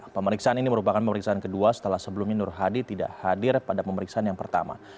pemeriksaan ini merupakan pemeriksaan kedua setelah sebelumnya nur hadi tidak hadir pada pemeriksaan yang pertama